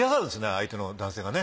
相手の男性がね。